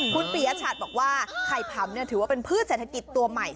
คุณปียชัดบอกว่าไข่ผำถือว่าเป็นพืชเศรษฐกิจตัวใหม่